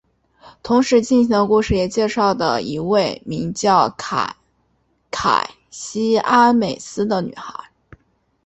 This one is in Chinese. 同时进行的故事也介绍的一位名叫凯西阿美斯的女孩。